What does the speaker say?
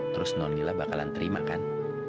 terus nonila bakalan terima kan